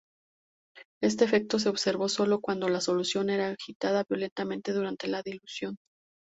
Este efecto se observó sólo cuando la solución era agitada violentamente durante la dilución.